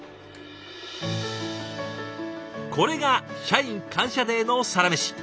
これが「社員感謝デー」のサラメシ。